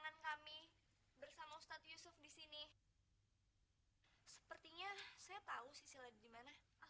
jalan kung jalan se di sini ada pesta besar besaran